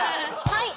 はい！